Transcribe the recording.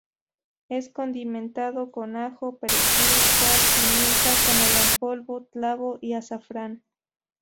Es condimentado con ajo, perejil, sal, pimienta, canela en polvo, clavo y azafrán.